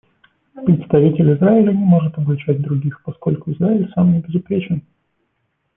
Представитель Израиля не может обличать других, поскольку Израиль сам небезупречен.